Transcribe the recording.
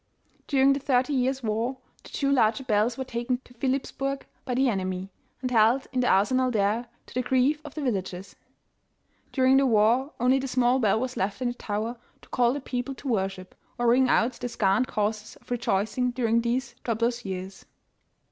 During the thirty years' war, the two larger bells were taken to Philipps burg by the enemy, and held in the arsenal there, to the grief of the villagers. During the war only the small bell was left in the tower to call the people to worship, or ring out the scant causes of rejoicing during these troublous years.